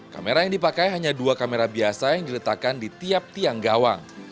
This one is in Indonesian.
kamera yang dipakai hanya dua kamera biasa yang diletakkan di tiap tiang gawang